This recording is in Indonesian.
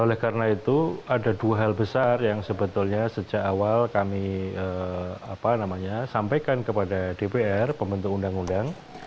oleh karena itu ada dua hal besar yang sebetulnya sejak awal kami sampaikan kepada dpr pembentuk undang undang